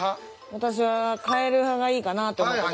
私は変える派がいいかなと思ってます。